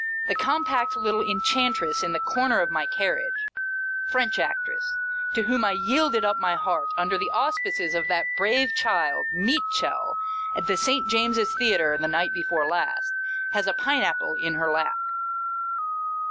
The compact little Enchantress in the corner of my carriage (French actress, to whom I yielded up my heart under the auspices of that brave child, " MEAT CHELL," at the Saint James's Theatre the night before last) has a pine apple in her lap.